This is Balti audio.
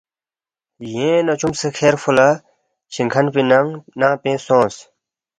یینگ نہ چُومسے کھیرفو لہ شِنگ کھن پی ننگ پِنگ سونگس